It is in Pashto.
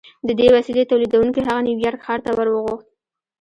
د دې وسیلې تولیدوونکي هغه نیویارک ښار ته ور وغوښت